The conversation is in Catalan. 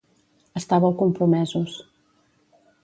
Estàveu compromesos.